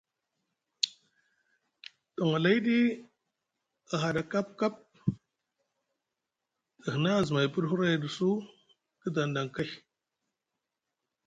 Doŋolayɗi a haada kapkap te hina azumay piɗi huray ɗa su guidaŋɗi aŋ kay.